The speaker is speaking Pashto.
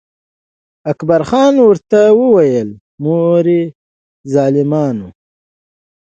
اکبر جان ورته وویل: مورې ظالمانو.